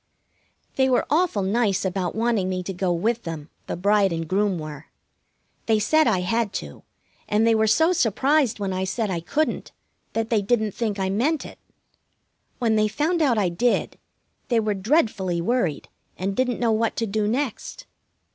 They were awful nice about wanting me to go with them. The bride and groom were. They said I had to, and they were so surprised when I said I couldn't that they didn't think I meant it. When they found out I did, they were dreadfully worried, and didn't know what to do next.